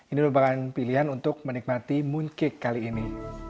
ini merupakan pilihan untuk menikmati mooncake kali ini